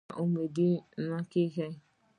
نا امېد مه کېږه.